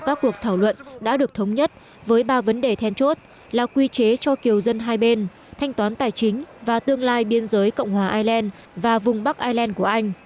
các cuộc thảo luận đã được thống nhất với ba vấn đề then chốt là quy chế cho kiều dân hai bên thanh toán tài chính và tương lai biên giới cộng hòa ireland và vùng bắc ireland của anh